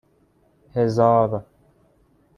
هزار